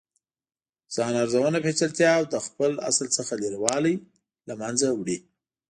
ځان ارزونه پیچلتیا او له خپل اصل څخه لرې والې له منځه وړي.